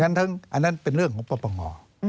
อันนั้นเป็นเรื่องงบประงอ